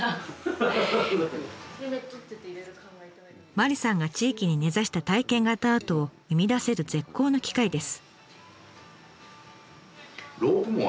麻里さんが地域に根ざした体験型アートを生み出せる絶好の機会です。